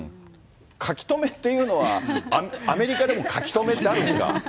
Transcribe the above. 書留っていうのは、アメリカでも書留ってあるんですか？